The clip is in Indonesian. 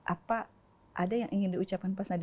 apa ada yang ingin diucapkan